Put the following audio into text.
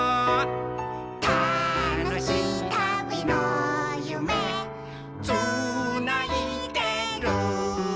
「たのしいたびのゆめつないでる」